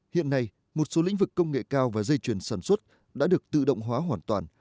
hiện nay một số lĩnh vực công nghệ cao và dây chuyển sản xuất đã được tự động hóa hoàn toàn